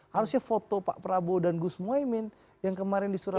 harusnya foto pak prabowo dan gus muhaymin yang kemarin disuruh